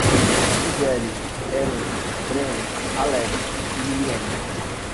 Gisele, Emerson, Breno, Alex e Liliane